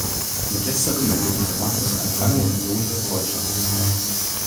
Mit letzterem entwickelte Marcus eine lange und lohnende Freundschaft.